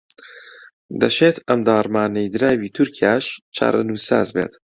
دەشێت ئەم داڕمانەی دراوی تورکیاش چارەنووسساز بێت